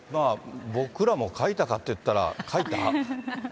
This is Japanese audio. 僕らも書いたかって言ったら、書いた？